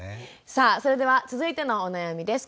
さあそれでは続いてのお悩みです。